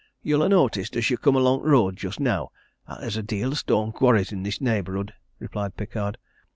"You'll ha' noticed, as you come along t' road just now, 'at there's a deal o' stone quarries i' this neighbourhood?" replied Pickard.